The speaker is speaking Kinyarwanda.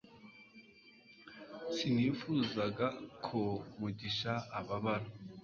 Sinifuzaga ko mugisha ababara